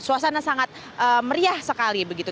suasana sangat meriah sekali begitu